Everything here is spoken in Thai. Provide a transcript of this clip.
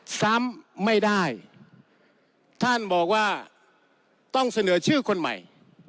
ซ้ำไม่ได้ท่านบอกว่าต้องเสนอชื่อคนใหม่